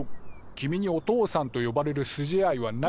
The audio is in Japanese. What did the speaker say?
君にお父さんと呼ばれる筋合いはない！